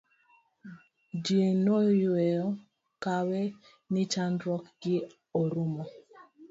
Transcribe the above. ji noyueyo kawe ni chandruok gi orumo